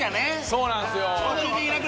そうなんすよ。